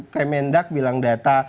kemendak bilang data